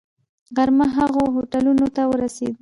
غرمه هغو هوټلونو ته ورسېدو.